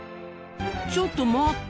ちょっと待った！